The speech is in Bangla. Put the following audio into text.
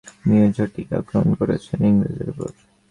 তিনি বিভিন্ন সময় নিজস্ব বাহিনী নিয়ে ঝটিকা আক্রমণ করেছেন ইংরেজের ওপর।